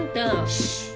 シッ。